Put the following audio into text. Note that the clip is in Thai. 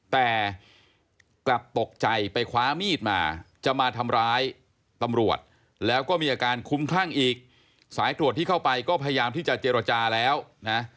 แต่กลับตกใจไปคว้ามีดมาจะมาทำร้ายตำรวจแล้วก็มีอาการคุ้มคลั่งอีกสายตรวจที่เข้าไปก็พยายามที่จะเจรจาแล้วนะ